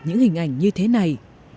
những hình ảnh như thế này